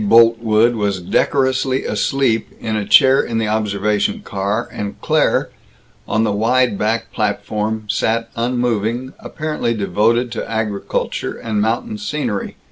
Boltwood was decorously asleep in a chair in the observation car, and Claire, on the wide back platform, sat unmoving, apparently devoted to agriculture and mountain scenery.